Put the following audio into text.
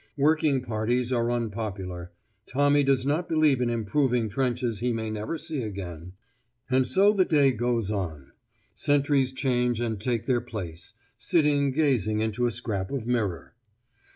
Working parties are unpopular; Tommy does not believe in improving trenches he may never see again. And so the day goes on. Sentries change and take their place, sitting gazing into a scrap of mirror.